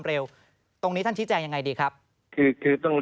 พอเวลาติดอยู่บนขอบทาง